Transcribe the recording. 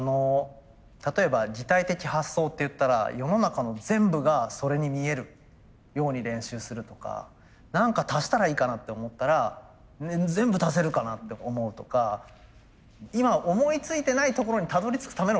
例えば擬態的発想っていったら世の中の全部がそれに見えるように練習するとか何か足したらいいかなって思ったら全部足せるかなって思うとか今思いついてないところにたどりつくための練習なんですよ。